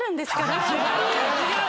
違う！